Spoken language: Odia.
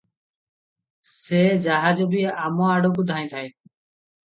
ସେ ଜାହାଜ ବି ଆମ ଆଡକୁ ଧାଇଁଥାଏ ।